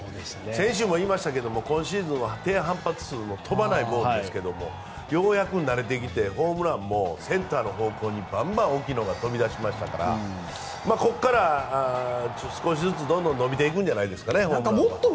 先週も言いましたけれど今シーズンは低反発数の飛ばないボールですがようやく慣れてきてホームランもセンターの方向にバンバン大きいのが飛び出しましたからここから少しずつどんどん伸びていくんじゃないですかホームランは。